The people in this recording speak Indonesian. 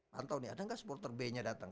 pantau nih ada nggak supporter b nya datang